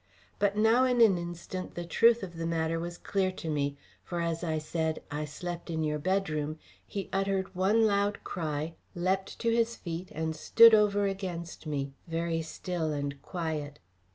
But now in an instant the truth of the matter was clear to me. For as I said, "I slept in your bedroom," he uttered one loud cry, leapt to his feet, and stood over against me, very still and quiet.